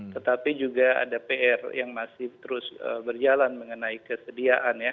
tetapi juga ada pr yang masih terus berjalan mengenai kesediaan ya